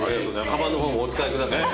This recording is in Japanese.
かばんの方もお使いください。